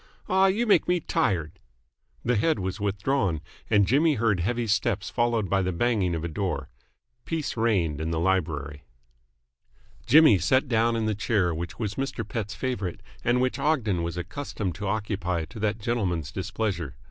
Aw, you make me tired!" The head was withdrawn, and Jimmy heard heavy steps followed by the banging of a door. Peace reigned in the library. Jimmy sat down in the chair which was Mr. Pett's favourite and which Ogden was accustomed to occupy to that gentleman's displeasure.